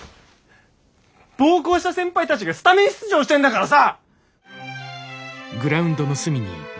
暴行した先輩たちがスタメン出場してんだからさ！